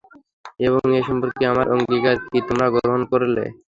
এবং এ সম্পর্কে আমার অঙ্গীকার কি তোমরা গ্রহণ করলে?